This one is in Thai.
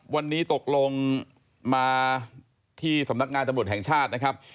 วันนี้ตกลงมาที่สำนักงานตำรวจแห่งชาตินะครับ